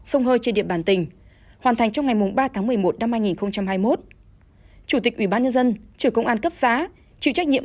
sông hơi trên điểm bản tỉnh hoàn thành trong ngày ba tháng một mươi một năm hai nghìn hai mươi một